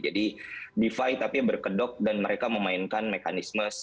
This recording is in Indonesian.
jadi defi tapi berkedok dan mereka memainkan mekanisme